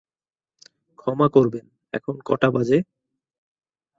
ক্ষমা করবেন, এখন কটা বাজে?